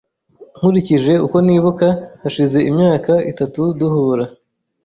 Nkurikije uko nibuka, hashize imyaka itatu duhura .